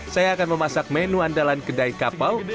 saya akan memasak menu andalan kedai kapau